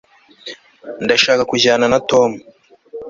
ndashaka kujyana na tom